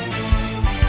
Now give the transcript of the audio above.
kenapa tidak bisa